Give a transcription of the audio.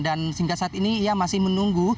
dan sehingga saat ini ia masih menunggu